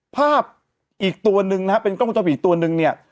ภาพอีกตัวหนึ่งนะฮะเป็นกล้องวงจรปิดตัวนึงเนี่ย